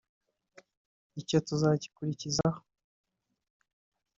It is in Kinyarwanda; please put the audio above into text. nicyo tuzakurikizaho